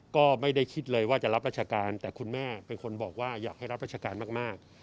ก็ไม่ได้คิดเลยว่าจะรับราชการแต่คุณแม่เป็นคนบอกว่าอยากให้รับราชการมาก